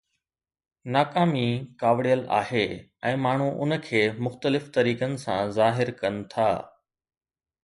ناڪامي ڪاوڙيل آهي ۽ ماڻهو ان کي مختلف طريقن سان ظاهر ڪن ٿا.